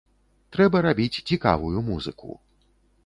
Трэба рабіць цікавую музыку.